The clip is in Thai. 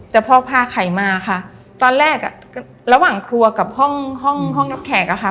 แต่พอพาไข่มาค่ะตอนแรกอ่ะระหว่างครัวกับห้องห้องน้ำแขกอะค่ะ